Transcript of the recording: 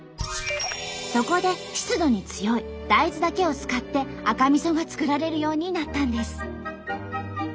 そこで湿度に強い大豆だけを使って赤みそが作られるようになったんです。